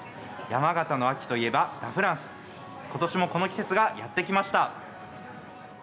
山形の秋といえばラ・フランスことしもこの季節がやってきました。